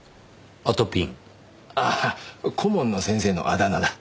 ああ顧問の先生のあだ名だ。